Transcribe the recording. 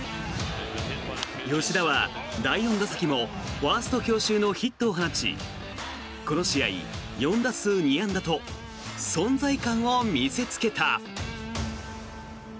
吉田は第４打席もファースト強襲のヒットを放ちこの試合４打数２安打と存在感を見せつけた。